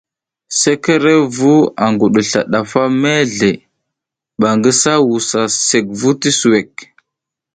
Sekerevu a ngudusla ndafa mezle, ɓa ngi ngisa wusa sekvu ti suwek.